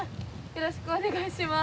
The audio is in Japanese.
よろしくお願いします。